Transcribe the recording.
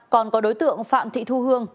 còn có đối tượng phạm thị thu hương